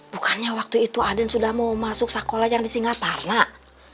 bukannya waktu itu aden sudah mau masuk sekolah yang di singaparna